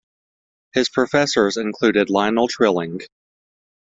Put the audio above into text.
His professors included Lionel Trilling.